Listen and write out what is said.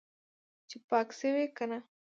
چې پاک شوی که نه.